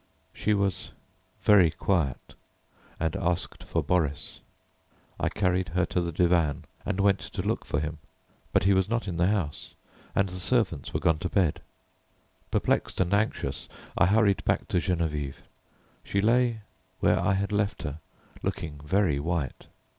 She was very quiet, and asked for Boris. I carried her to the divan, and went to look for him, but he was not in the house, and the servants were gone to bed. Perplexed and anxious, I hurried back to Geneviève. She lay where I had left her, looking very white.